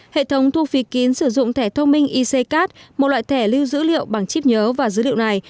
hệ thống thu phí kín sử dụng thẻ thông minh iccat một loại thẻ lưu dữ liệu bằng chip nhớ và dữ liệu này